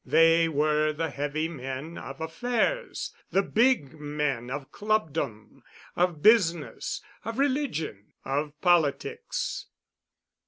They were the heavy men of affairs, the big men of clubdom, of business, of religion, of politics.